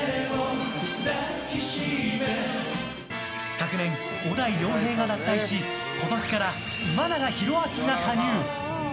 昨年、小田井涼平が脱退し今年から岩永洋昭が加入。